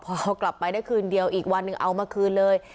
พอกลับไปได้คืนเดียวอีกวันหนึ่งเอามาคืนเลย